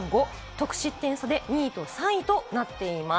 得失点差で２位と３位となっています。